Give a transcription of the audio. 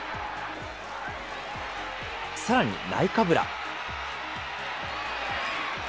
さらにナイカブラ。